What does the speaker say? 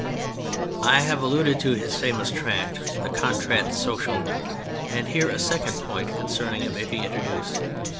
ROUSSEAU 31 I have alluded to his famous tract, the Contrat Social, and here a second point con cerning it may be introduced.